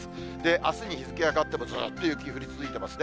あすに日付が変わってもずっと雪、降り続いてますね。